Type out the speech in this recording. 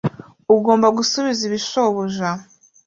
Ugomba gusubiza ibi shobuja